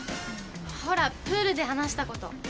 ほらプールで話したこと。